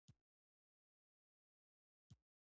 چې بې غمه کړلې تېرې لاروي شپې